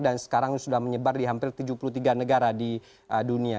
dan sekarang sudah menyebar di hampir tujuh puluh tiga negara di dunia